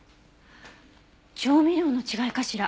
調味料の違いかしら？